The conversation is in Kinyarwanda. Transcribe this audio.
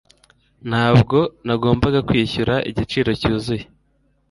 Ntabwo nagombaga kwishyura igiciro cyuzuye